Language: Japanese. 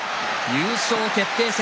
優勝決定戦。